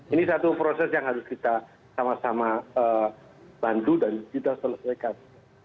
ini satu proses yang harus kita sama sama bantu dan kita selesaikan